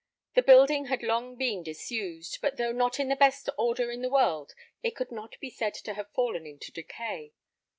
The building had long been disused, but though not in the best order in the world, it could not be said to have fallen into decay.